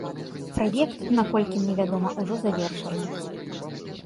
Праект, наколькі мне вядома, ужо завершаны.